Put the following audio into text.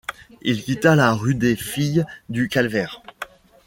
Il quitta la rue des Filles-du-Calvaire